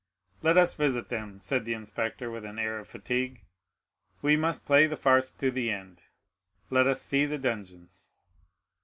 "Let us visit them," said the inspector with an air of fatigue. "We must play the farce to the end. Let us see the dungeons."